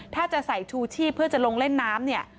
ถ้าจะใส่ชูชีพเพื่อจะลงเล่นน้ำเนี่ย